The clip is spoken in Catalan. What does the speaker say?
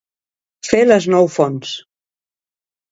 Fer les nou fonts.